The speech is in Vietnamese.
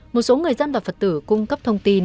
một số người dân và phật tử cung cấp thông tin